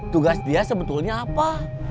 tugas dia sebetulnya apa